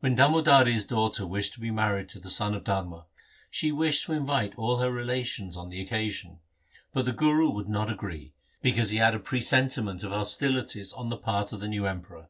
When Damodari's daughter was to be married to the son of Dharma, she wished to invite all her relations on the occasion, but the Guru would not agree, because he had a presentiment of hostilities on the part of the new Emperor.